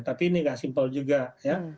tapi ini nggak simpel juga ya